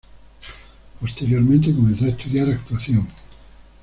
Posteriormente, comenzó a estudiar actuación.